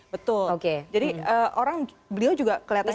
betul jadi orang beliau juga kelihatannya